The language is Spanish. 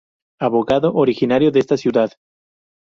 Abogado, originario de esta ciudad.